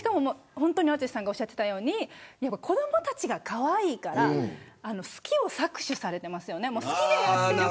淳さんがおっしゃったように子どもたちがかわいいから好きを搾取されていますよね。